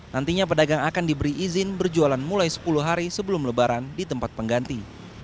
nantinya pedagang akan diberi izin berjualan mulai sepuluh hari sebelum lebaran di tempat pengganti